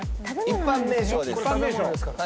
一般名称。